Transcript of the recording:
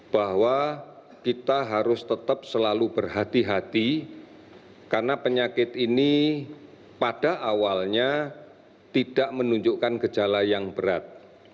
bahwa kita harus tetap selalu berhati hati karena penyakit ini pada awalnya tidak menunjukkan gejala yang berat